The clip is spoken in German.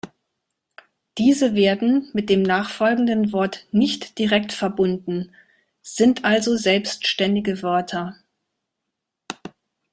Diese werden mit dem nachfolgenden Wort nicht direkt verbunden, sind also selbständige Wörter.